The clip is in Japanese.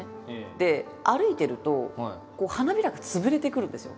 で歩いてると花びらが潰れてくるんですよ。